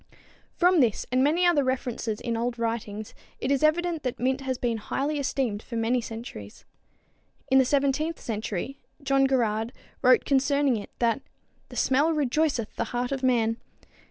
From this and many other references in old writings it is evident that mint has been highly esteemed for many centuries. In the seventeenth century John Gerarde wrote concerning it that "the smelle rejoyceth the heart of man."